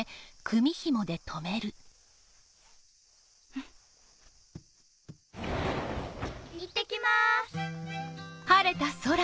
うん。いってきます。